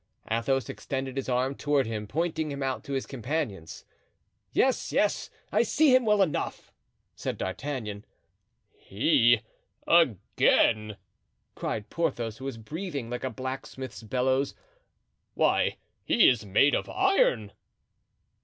Athos extended his arm toward him, pointing him out to his companions. "Yes, yes, I see him well enough," said D'Artagnan. "He—again!" cried Porthos, who was breathing like a blacksmith's bellows; "why, he is made of iron."